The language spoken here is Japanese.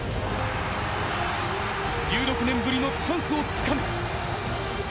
１６年ぶりのチャンスをつかめ。